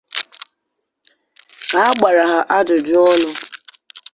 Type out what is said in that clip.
Ka a gbara ha ajụjụọnụ